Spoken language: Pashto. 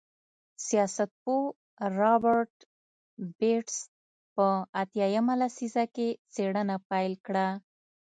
سیاستپوه رابرټ بېټس په اتیا مه لسیزه کې څېړنه پیل کړه.